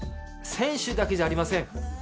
選手だけじゃありません。